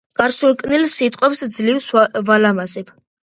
გაჩორკნილ სიტყვებს ძლივს ვალამაზებ.